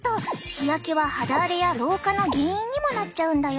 日焼けは肌荒れや老化の原因にもなっちゃうんだよ。